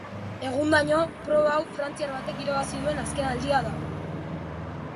Egundaino, proba hau frantziar batek irabazi duen azken aldia da.